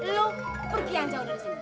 lo pergi aja udah dari sini